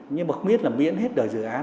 nhưng mà không biết là miễn hết đời dự án